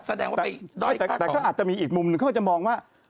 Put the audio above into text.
แต่เขาอาจจะมีอีกมุมหนึ่งเขาก็จะมองว่า